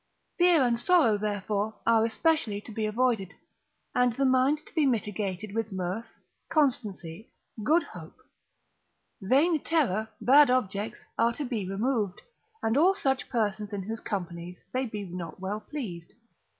Fear and sorrow, therefore, are especially to be avoided, and the mind to be mitigated with mirth, constancy, good hope; vain terror, bad objects are to be removed, and all such persons in whose companies they be not well pleased.